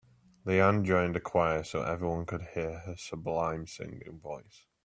Leanne joined a choir so everyone could hear her sublime singing voice.